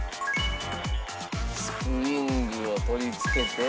スプリングを取り付けて。